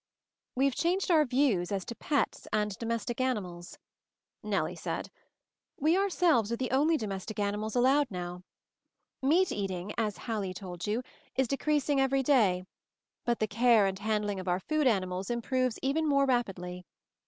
"We've changed our views as to 'pets' and 'domestic animals,' " Nellie said. "We our selves are the only domestic animals allowed now. Meat eating, as Hallie told you, is decreasing every day; but the care and handling of our food animals improves even more rapidly.